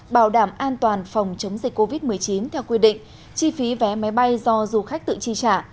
bảo đảm an toàn phòng chống dịch covid một mươi chín theo quy định chi phí vé máy bay do du khách tự chi trả